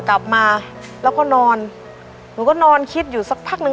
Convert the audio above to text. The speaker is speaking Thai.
กลับมาแล้วก็นอนหนูก็นอนคิดอยู่สักพักหนึ่ง